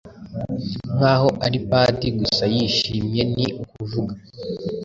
nkaho ari padi gusa yishimye ni ukuvuga